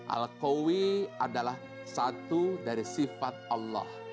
al qawi adalah satu dari sifat allah